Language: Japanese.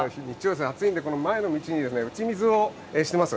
暑いんで前の道に打ち水をしてます。